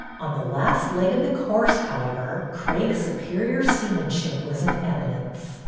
On the last leg of the course, however, Craig's superior seamanship was in evidence.